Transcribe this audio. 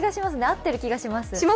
合ってる気がします。